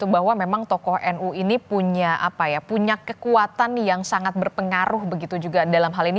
bahwa memang tokoh nu ini punya kekuatan yang sangat berpengaruh begitu juga dalam hal ini